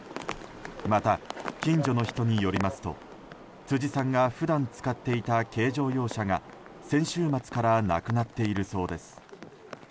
また近所の人によりますと辻さんが普段使っていた軽乗用車が先週末からなくなっているそうです。